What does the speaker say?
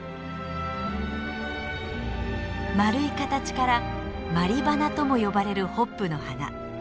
丸い形から「鞠花」とも呼ばれるホップの花。